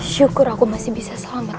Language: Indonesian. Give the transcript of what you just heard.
syukur aku masih bisa selamat